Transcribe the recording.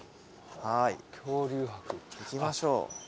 はい行きましょう。